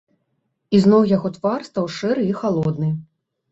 І зноў яго твар стаў шэры і халодны.